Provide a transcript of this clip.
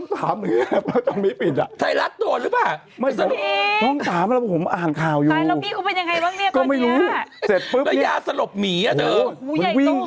ปุ๊บหุมใหญ่ต้อง